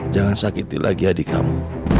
jangan sakiti lagi adik kamu